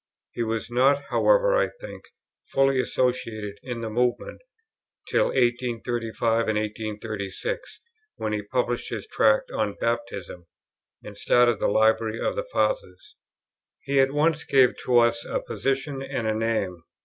He was not, however, I think, fully associated in the Movement till 1835 and 1836, when he published his Tract on Baptism, and started the Library of the Fathers. He at once gave to us a position and a name.